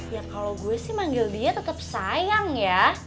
ya kalo gue sih manggil dia tetep sayang ya